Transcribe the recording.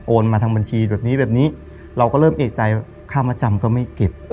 โอนมาทางบัญชีแบบนี้เราก็เริ่มเอกใจค่ามาจำก็ไม่เก็บ